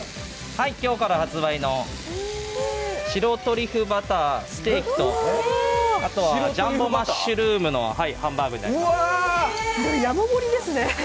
今日から発売の白トリュフバターステーキとマッシュルームハンバーグです。